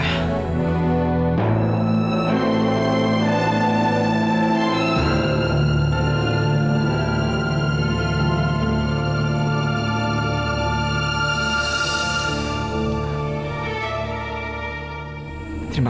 saya detik perfect eli